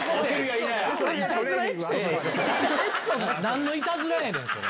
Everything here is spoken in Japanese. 何のいたずらやねん？